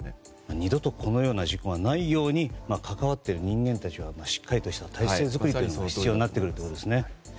二度とこのような事故がないように関わっている人間たちのしっかりとした体制作りが必要になってくるってことですね。